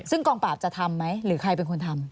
ซึ่งกองปราบจะทำไหมหรือใครเป็นคนทำ